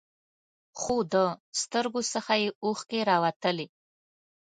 خو د سترګو څخه یې اوښکې راوتلې.